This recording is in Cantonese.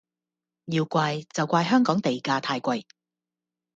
要怪就怪香港地價太貴